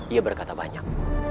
ia berkata banyak